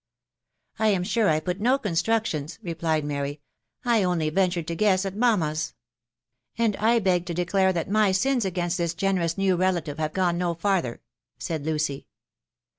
" I am sure I put no construction*," replied Mary ; "1 only ventured to guess at mamma's." " And I beg to declare that my sins again this gemimm new relative have gone no farther," said Lucy.